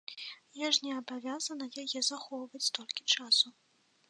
Я ж не абавязана яе захоўваць столькі часу.